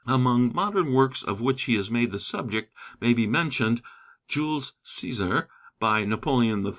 Among modern works of which he is made the subject may be mentioned 'Jules César,' by Napoleon III.